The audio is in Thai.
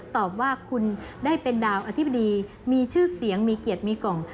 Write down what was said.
ตอบว่าคุณได้เป็นดาวอธิบดีมีชื่อเสียงมีเกียรติมีกล่อง